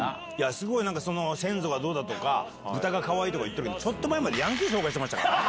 すごいその、先祖がどうだとか、ブタがかわいいとか言ってるけど、ちょっと前までヤンキー紹介してましたからね。